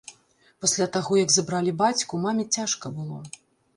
Пасля таго, як забралі бацьку, маме цяжка было.